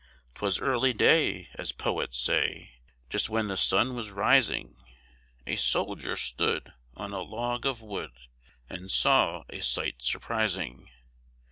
'Twas early day, as Poets say, Just when the sun was rising, A soldier stood on a log of wood, And saw a sight surprising.